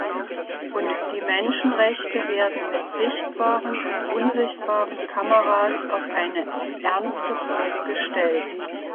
Und die Menschenrechte werden mit sichtbaren und unsichtbaren Kameras auf eine ernste Probe gestellt.